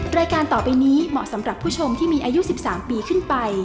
รายการต่อไปนี้เหมาะสำหรับผู้ชมที่มีอายุ๑๓ปีขึ้นไป